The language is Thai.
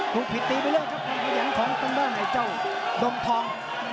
ก่อนขึ้นพี่แย่งของตลอดเจ้าดมทอง